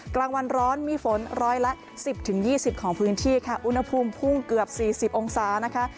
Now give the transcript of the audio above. กลางวันร้อนมีฝนร้อยละ๑๐๒๐ของพื้นที่ค่ะอุณหภูมิพุ่งเกือบ๔๐องศานะคะ